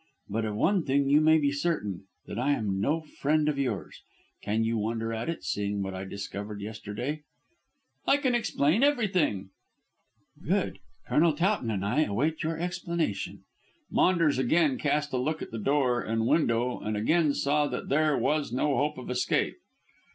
But of one thing you may be certain, that I am no friend of yours. Can you wonder at it, seeing what I discovered yesterday?" "I can explain everything." "Good! Colonel Towton and I await your explanation." Maunders again cast a look at door and window and again saw that there was no hope of escape.